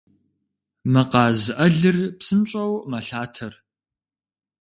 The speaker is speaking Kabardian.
Мы къаз ӏэлыр псынщӏэу мэлъатэр.